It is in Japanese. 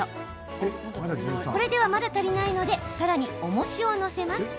まだ足りないのでさらに、おもしを載せます。